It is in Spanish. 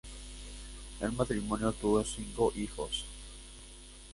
El matrimonio tuvo cinco hijos.